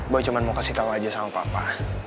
boy cuma mau kasih tau aja sama papa